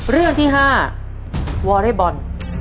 เรื่องที่๕วอเรย์บอล